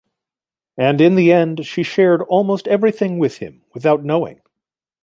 And in the end she shared almost everything with him without knowing.